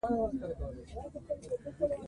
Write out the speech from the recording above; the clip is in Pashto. افغانستان کې د اوږده غرونه د پرمختګ هڅې روانې دي.